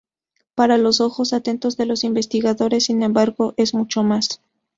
Para los ojos atentos de los investigadores, sin embargo, es mucho más.